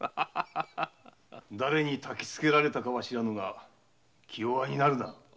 だれにたきつけられたかは知らぬが気弱になるな。